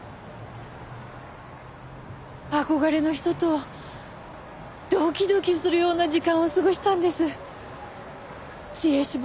憧れの人とドキドキするような時間を過ごしたんです。